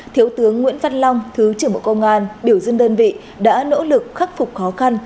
thiếu tướng nguyễn văn long thứ trưởng bộ công an biểu dưng đơn vị đã nỗ lực khắc phục khó khăn